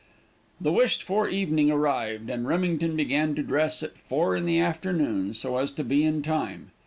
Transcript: The wished for evening arrived, and Remington began to dress at four in the afternoon, so as to be in time.